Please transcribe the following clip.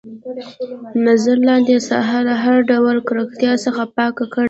نظر لاندې ساحه له هر ډول ککړتیا څخه پاکه کړئ.